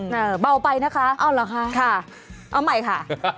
มันเบาไปนะคะค่ะเอาใหม่ค่ะ